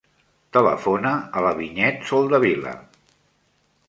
Telefona a la Vinyet Soldevila.